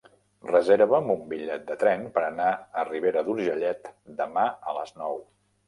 Reserva'm un bitllet de tren per anar a Ribera d'Urgellet demà a les nou.